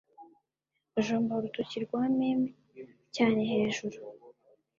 jomba urutoki rwa meme cyane hejuru